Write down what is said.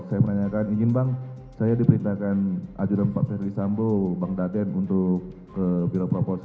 saya menanyakan ingin bang saya diperintahkan ajuran pak ferdis sambo bang darden untuk ke biro propos